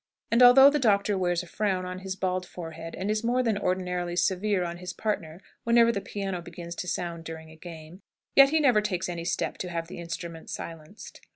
And although the doctor wears a frown on his bald forehead, and is more than ordinarily severe on his partner whenever the piano begins to sound during a game, yet he never takes any step to have the instrument silenced.